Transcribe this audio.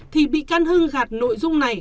thì bị căn hưng gạt nội dung này